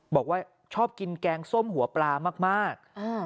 บอกว่าชอบกินแกงส้มหัวปลามาก